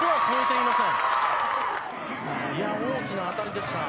いやぁ、大きな当たりでした。